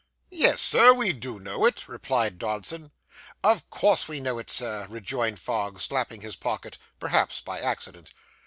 'Yes, sir, we do know it,' replied Dodson. 'Of course we know it, Sir,' rejoined Fogg, slapping his pocket perhaps by accident.